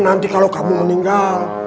nanti kalau kamu meninggal